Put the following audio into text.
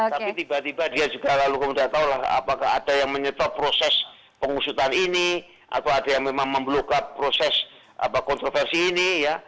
tapi tiba tiba dia juga lalu kemudian tahu apakah ada yang menyetor proses pengusutan ini atau ada yang memang memblokap proses kontroversi ini ya